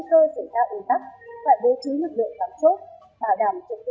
điều kiện giao thông thông ngừa giải quyết ủn tắc giao thông cho phù hợp